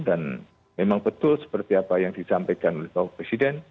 dan memang betul seperti apa yang disampaikan oleh pak presiden